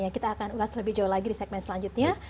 kita akan ulas lebih jauh lagi di segmen selanjutnya